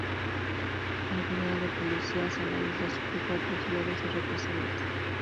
La llegada de policías a la isla supuso atrocidades y represalias.